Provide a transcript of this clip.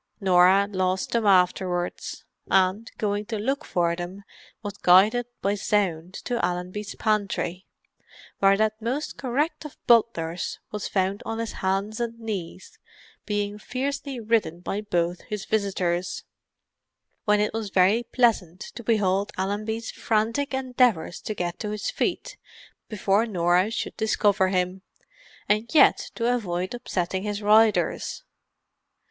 Norah lost them afterwards, and going to look for them, was guided by sound to Allenby's pantry, where that most correct of butlers was found on his hands and knees, being fiercely ridden by both his visitors, when it was very pleasant to behold Allenby's frantic endeavours to get to his feet before Norah should discover him, and yet to avoid upsetting his riders.